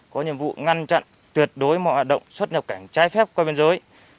có nhiệm vụ ngăn chặn tuyệt đối mọi hoạt động xuất nhập cảnh trái phép qua biên giới